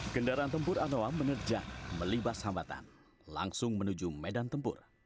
kendaraan tempur anoa menerjang melibas hambatan langsung menuju medan tempur